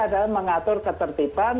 adalah mengatur ketertiban